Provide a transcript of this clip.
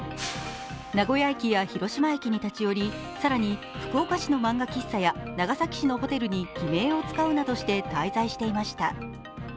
名古屋駅や広島駅に立ち寄り、更に福岡市の漫画喫茶や長崎市のホテルに偽名を使うなどして滞在していました。